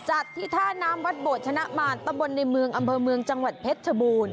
จัดที่ท่าน้ำวัดโบชนะมารตะบนในเมืองอำเภอเมืองจังหวัดเพชรชบูรณ์